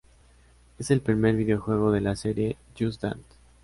Es el primer videojuego de la serie Just Dance.